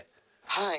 「はい」